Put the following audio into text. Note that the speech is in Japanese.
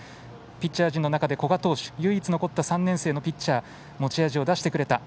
ピッチャー陣の中で、古賀投手唯一、残った３年生のピッチャー持ち味を出してくれた。